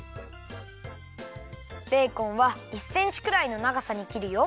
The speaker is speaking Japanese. ベーコンは１センチくらいのながさにきるよ。